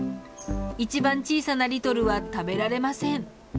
一番小さなリトルは食べられません。